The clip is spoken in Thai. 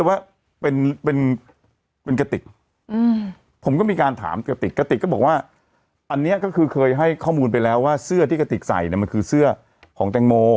วิ้งอยู่ที่หน้าแล้วก็มึนหัวเอง